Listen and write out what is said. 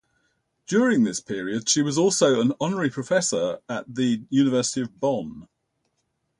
During this period, she was also an honorary professor at the University of Bonn.